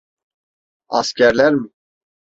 Askerler mi?